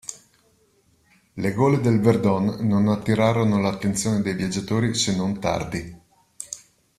Le gole del Verdon non attirarono l'attenzione dei viaggiatori se non tardi.